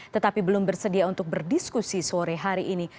tetapi belum bersedia untuk berdiskusi sore hari ini